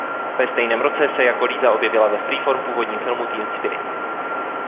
Ve stejném roce se jako Lisa objevila ve Freeform původním filmu "Teen Spirit".